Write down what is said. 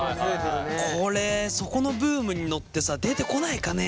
これそこのブームに乗ってさ出てこないかね。